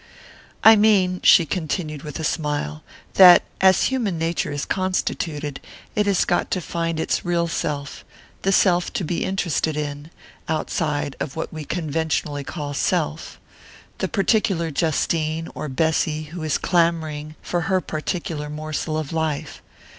"I mean," she continued with a smile, "that, as human nature is constituted, it has got to find its real self the self to be interested in outside of what we conventionally call 'self': the particular Justine or Bessy who is clamouring for her particular morsel of life.